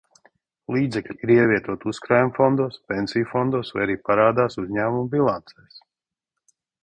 Līdzekļi ir ievietoti uzkrājumu fondos, pensiju fondos vai arī parādās uzņēmumu bilancēs.